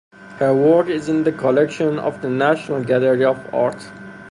Her work is in the collection of the National Gallery of Art.